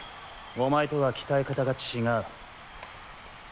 お前とは鍛え方が違う。